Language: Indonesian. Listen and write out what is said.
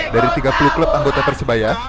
dari tiga puluh klub anggota persebaya